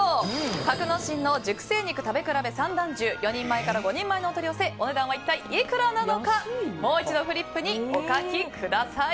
格之進の熟成肉食べ比べ三段重４人前から５人前のお取り寄せお値段は一体いくらなのかフリップにお書きください。